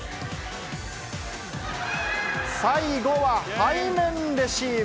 最後は背面レシーブ。